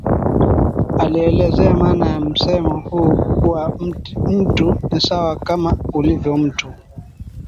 Alielezea maana ya msemo huu kuwa mtu ni sawa kama ulivyo mtu